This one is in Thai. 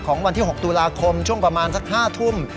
วันที่๖ตุลาคมช่วงประมาณสัก๕ทุ่ม